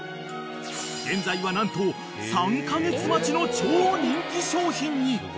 ［現在は何と３カ月待ちの超人気商品に！］